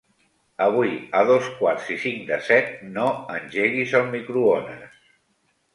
Avui a dos quarts i cinc de set no engeguis el microones.